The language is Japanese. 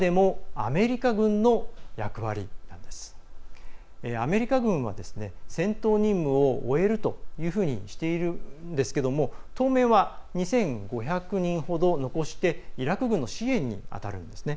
アメリカ軍は戦闘任務を終えるというふうにしているんですけど当面は、２５００人ほど残してイラク軍の支援に当たるんですね。